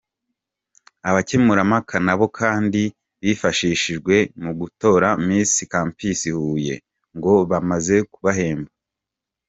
Abakemurampaka nabo bifashishijwe mu gutora Miss Campus Huye ngo bamaze kubahemba.